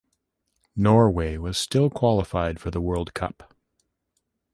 Norway was still qualified for the World Cup.